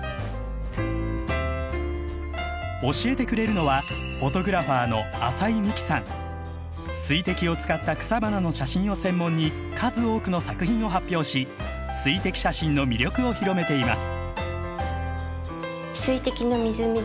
教えてくれるのは水滴を使った草花の写真を専門に数多くの作品を発表し水滴写真の魅力を広めています。